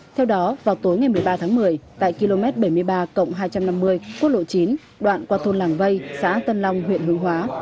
theo đó vào tối ngày một mươi ba tháng một mươi tại km bảy mươi ba hai trăm năm mươi quốc lộ chín đoạn qua thôn làng vây xã tân long huyện hướng hóa